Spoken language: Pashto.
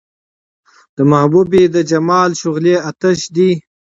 د محبوبې د جمال شغلې اۤتش دي